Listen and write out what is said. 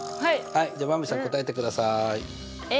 じゃあばんびさん答えてください。